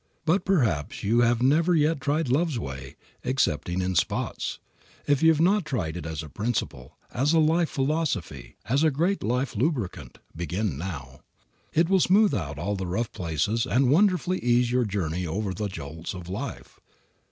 But perhaps you have never yet tried love's way, excepting in spots. If you have not yet tried it as a principle, as a life philosophy, as a great life lubricant, begin now. It will smooth out all the rough places and wonderfully ease your journey over the jolts of life.